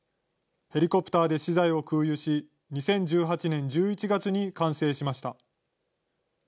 ヘリコプターで資材を空輸し、２０１８年１１月に完成しました。